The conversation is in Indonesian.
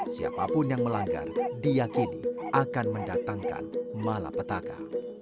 siapapun yang melanggar diakini akan mendatangkan malapetaka